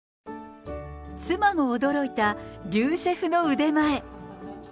妻も驚いた竜シェフの腕前。